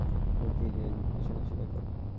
তোর তো সাহস হবে না, তুই নিজের পেছনে সেলাই কর।